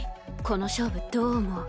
この勝負どう思う？